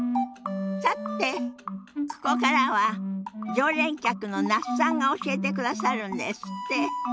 さてここからは常連客の那須さんが教えてくださるんですって。